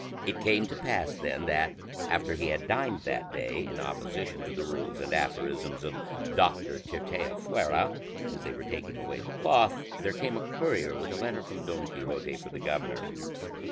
It came to pass then, that after he had dined that day in opposition to the rules and aphorisms of Doctor Tirteafuera, as they were taking away the cloth there came a courier with a letter from Don Quixote for the governor.